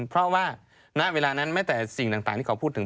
เพราะว่าณเวลานั้นแม้แต่สิ่งต่างที่เขาพูดถึง